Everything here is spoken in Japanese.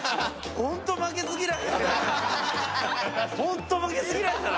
ホント負けず嫌いだな。